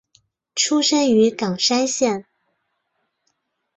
出身于冈山县。